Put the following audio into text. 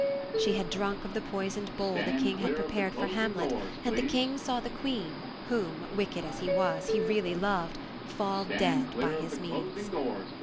She had drunk of the poisoned bowl ' the King had prepared for Hamlet, and the King saw the Queen, whom, wicked as he was, he really loved, fall dead by his means.